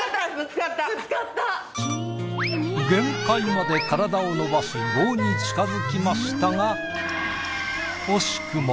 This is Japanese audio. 限界まで体を伸ばし棒に近づきましたが。